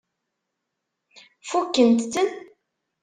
Fukkent-ten?